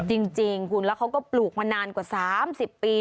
จริงคุณแล้วเขาก็ปลูกมานานกว่า๓๐ปี